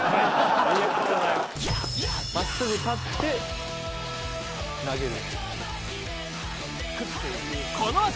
まっすぐ立って投げる。